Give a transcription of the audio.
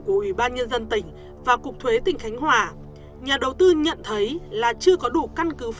của ủy ban nhân dân tỉnh và cục thuế tỉnh khánh hòa nhà đầu tư nhận thấy là chưa có đủ căn cứ